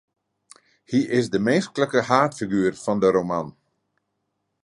Hy is de minsklike haadfiguer fan de roman.